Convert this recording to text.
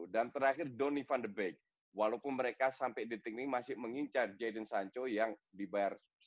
dan terakhir donny van de beek walaupun mereka sampai di tinggi masih mengincar jadon sancho yang dibayar